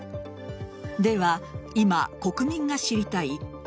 では、今国民が知りたい